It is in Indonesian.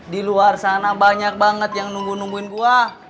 di luar sana banyak banget yang nunggu nungguin gue